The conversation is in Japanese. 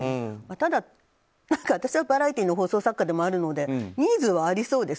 ただ、私はバラエティーの放送作家でもあるのでニーズはありそうです。